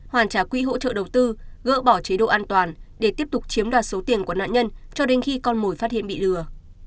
hoàn trả quỹ hỗ trợ đầu tư gỡ bỏ chế độ an toàn để tiếp tục chiếm đoạt số tiền của nạn nhân cho đến khi con mồi phát hiện bị lừa